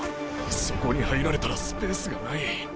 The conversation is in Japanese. そこに入られたらスペースがない。